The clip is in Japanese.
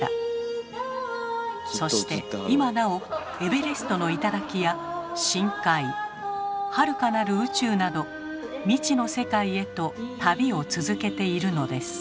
そして今なおエベレストの頂や深海はるかなる宇宙など未知の世界へと旅を続けているのです。